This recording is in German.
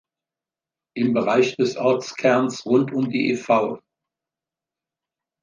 Im Bereich des Ortskerns, rund um die ev.